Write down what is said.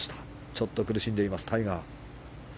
ちょっと苦しんでいますタイガー。